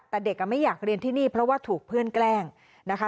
แต่เด็กไม่อยากเรียนที่นี่เพราะว่าถูกเพื่อนแกล้งนะคะ